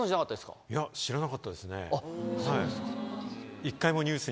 そうですか。